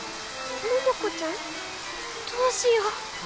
桃子ちゃん？どうしよう。